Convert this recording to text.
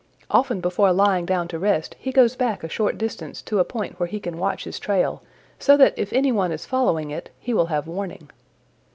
Often before lying down to rest he goes back a short distance to a point where he can watch his trail, so that if any one is following it he will have warning.